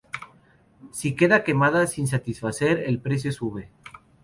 Si queda demanda sin satisfacer, el precio sube.